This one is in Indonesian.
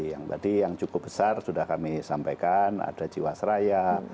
yang tadi yang cukup besar sudah kami sampaikan ada jiwasraya